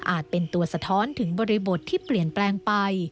เป็นตัวสะท้อนถึงบริบทที่เปลี่ยนแปลงไป